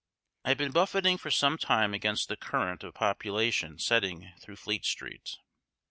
I had been buffeting for some time against the current of population setting through Fleet Street.